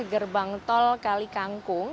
gerbang tol kali kangkung